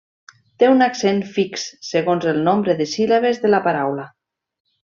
Té un accent fix segons el nombre de síl·labes de la paraula.